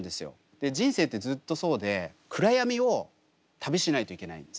で人生ってずっとそうで暗闇を旅しないといけないんですね。